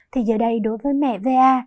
thì giờ đây đối với mẹ va